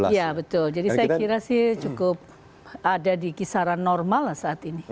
iya betul jadi saya kira sih cukup ada di kisaran normal lah saat ini